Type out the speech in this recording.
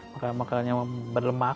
makanan makanan yang berlemak